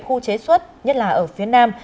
khu chế xuất nhất là ở phía nam